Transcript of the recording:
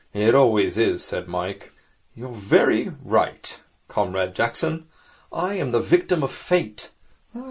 'It always is,' said Mike. 'You are very right, Comrade Jackson. I am the victim of Fate.